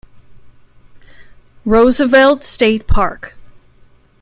Roosevelt State Park.